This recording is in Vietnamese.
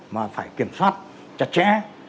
mà phải kiểm soát chặt chẽ